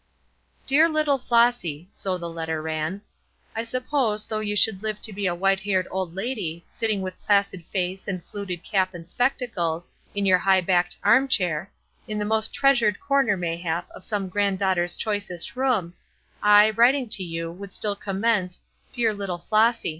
"Dear little Flossy," so the letter ran, "I suppose, though you should live to be a white haired old lady, sitting with placid face and fluted cap and spectacles, in your high backed arm chair, in the most treasured corner mayhap of some granddaughter's choicest room, I, writing to you, would still commence 'Dear little Flossy.'